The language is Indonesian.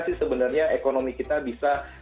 sebenarnya ekonomi kita bisa